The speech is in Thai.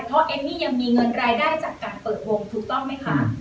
เพราะเอมมี่ยังมีเงินรายได้จากการเปิดวงถูกต้องไหมคะ